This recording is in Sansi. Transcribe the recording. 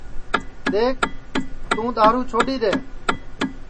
دؔیکھ توں دؔارو چھوڈؔی دؔے